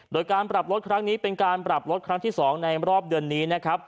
โดยการปรับลดครั้งนี้เป็นการปรับลดครั้งที่๒ในรอบเดือนนี้นะครับ